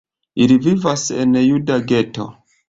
Ili vivis en juda geto.